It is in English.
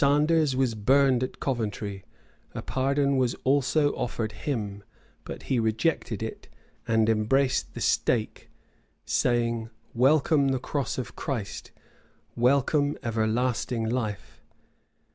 Sanders was burned at Coventry: a pardon was also offered him; but he rejected it, and embraced the stake, saying, "Welcome the cross of Christ; welcome everlasting life."